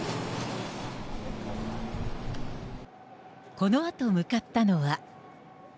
このあと向かったのは。